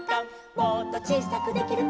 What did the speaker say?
「もっとちいさくできるかな」